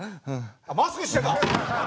あっマスクしてた！